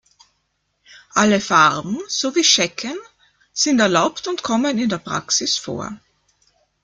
Alle Farben sowie Schecken sind erlaubt und kommen in der Praxis vor.